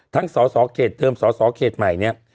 ทั้งสาสรเขตเติมสาสรเขตใหม่เนี่ย